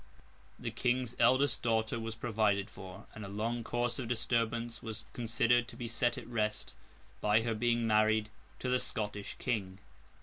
The King's eldest daughter was provided for, and a long course of disturbance was considered to be set at rest, by her being married to the Scottish King.